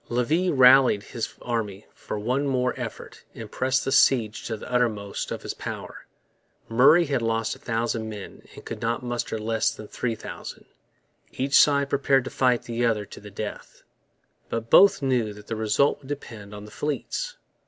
Levis rallied his army for one more effort and pressed the siege to the uttermost of his power. Murray had lost a thousand men and could now muster less than three thousand. Each side prepared to fight the other to the death. But both knew that the result would depend on the fleets.